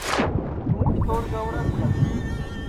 توں کِتوڑ گئوڑا تیا